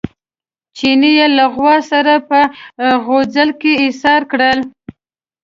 چیني یې له غوا سره په غوجل کې ایسار کړل.